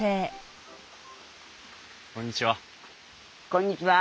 こんにちは。